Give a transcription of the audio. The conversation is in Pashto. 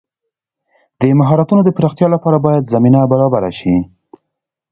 د مهارتونو د پراختیا لپاره باید زمینه برابره شي.